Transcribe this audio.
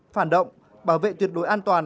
phản động bảo vệ tuyệt đối an toàn